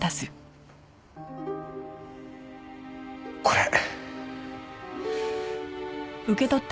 これ。